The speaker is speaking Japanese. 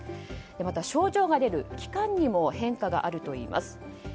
また、症状が出る期間にも変化があるといいます。